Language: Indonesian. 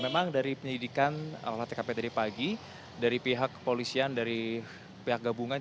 memang dari penyelidikan olah tkp tadi pagi dari pihak kepolisian dari pihak gabungan